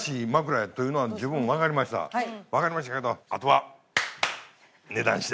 分かりましたけどあとは。